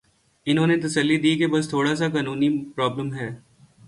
انہوں نے تسلی دی کہ بس تھوڑا سا قانونی پرابلم ہے۔